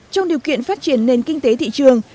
trong điều kiện phát triển nền kinh tế thị trường